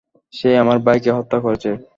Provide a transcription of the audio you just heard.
সে আমার ভাইকে হত্যা করেছে।